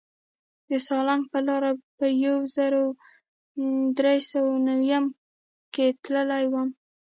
د سالنګ پر لاره په یو زر در سوه نویم کې تللی وم.